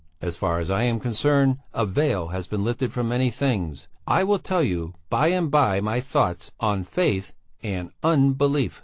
As far as I am concerned, a veil has been lifted from many things; I will tell you by and by my thoughts on Faith and Unbelief.